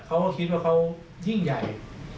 เขาก็คิดว่าเขายิ่งใหญ่